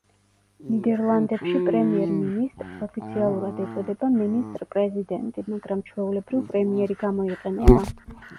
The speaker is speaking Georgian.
ნიდერლანდებში პრემიერ-მინისტრს ოფიციალურად ეწოდება მინისტრ-პრეზიდენტი, მაგრამ ჩვეულებრივ პრემიერი გამოიყენება.